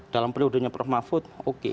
dalam periodenya prof mahfud oke